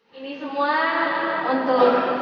merupakan suatu pandang